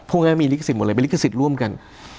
พวกนั้นมีลิขสิทธิ์หมดเลยเป็นลิขสิทธิ์ร่วมกัน